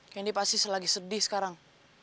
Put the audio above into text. candy pasti lagi sedih sekarang